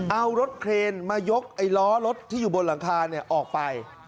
เอารถเครนมายกไอ้ล้อรถที่อยู่บนหลังคาออกไป